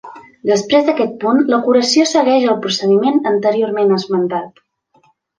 Després d'aquest punt, la curació segueix el procediment anteriorment esmentat.